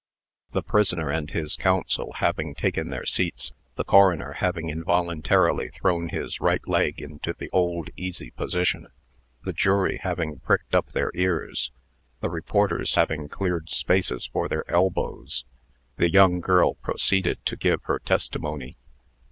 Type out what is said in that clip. The prisoner and his counsel having taken their seats, the coroner having involuntarily thrown his right leg into the old, easy position, the jury having pricked up their ears, the reporters having cleared spaces for their elbows, the young girl proceeded to give her testimony.